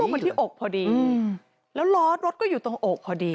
ก็ร่วมมาที่อกพอดีแล้วรถรถก็อยู่ตรงอกพอดี